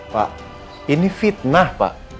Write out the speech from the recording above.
pak ini fitnah pak